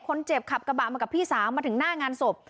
คนขับกระบะมากับพี่สาวมาถึงหน้างานศพ